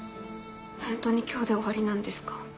ホントに今日で終わりなんですか？